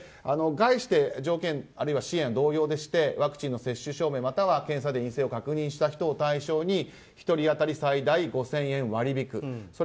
概して条件、支援は同様でしてワクチンの接種証明または検査で陰性を確認した人を対象に１人当たり最大５０００円割り引く。